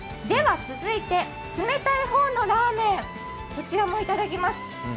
では、続いて冷たい方のラーメンもいただきます。